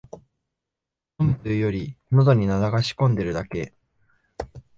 飲むというより、のどに流し込んでるだけ